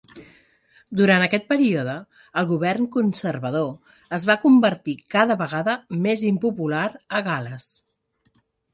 Durant aquest període, el govern conservador es va convertir cada vegada més impopular a Gal·les.